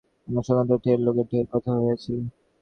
আমার সঙ্গে তো ঢের লোকের ঢের কথা হইয়াছিল।